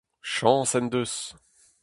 Chañs en deus !